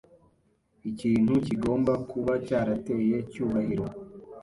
Ikintu kigomba kuba cyarateye Cyubahiro.